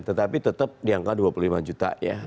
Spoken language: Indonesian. tetapi tetap di angka dua puluh lima juta ya